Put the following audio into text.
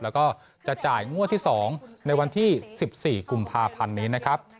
แล้วก็จะจ่ายงวดที่๒ในวันที่๑๔กุมภาพันธ์นี้นะครับ